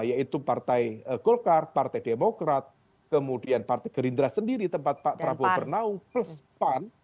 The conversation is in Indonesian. yaitu partai golkar partai demokrat kemudian partai gerindra sendiri tempat pak prabowo bernaung plus pan